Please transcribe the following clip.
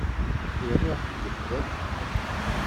Iruḥ gefgafi!